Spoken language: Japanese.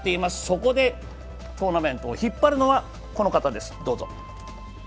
そこでトーナメントを引っ張るのはこの方です。